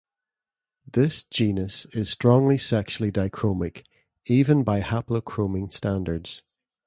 This genus is strongly sexually dichromic, even by haplochromine standards.